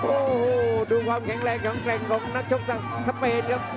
โอ้โหดูความแข็งแรงพะแกนแพงของนักโชคสเปนครับ